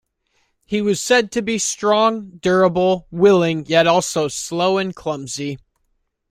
He was said to be strong, durable, willing yet also slow and clumsy.